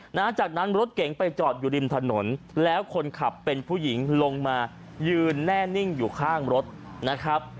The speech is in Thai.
หลังจากนั้นรถเก๋งไปจอดอยู่ริมถนนแล้วคนขับเป็นผู้หญิงลงมายืนแน่นิ่งอยู่ข้างรถนะครับ